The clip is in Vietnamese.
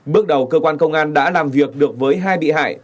bước đầu cơ quan công an đã làm việc được với hai bị hại